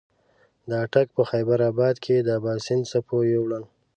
د اټک په خېبر اباد کې د اباسین څپو یوړل.